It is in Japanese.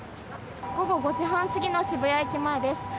午後５時半過ぎの渋谷駅前です。